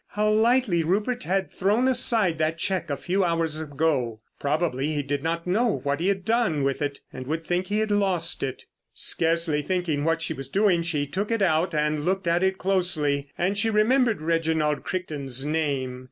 How lightly Rupert had thrown aside that cheque a few hours ago. Probably he did not know what he had done with it; would think he had lost it. Scarcely thinking what she was doing she took it out and looked at it closely. And she remembered Reginald Crichton's name.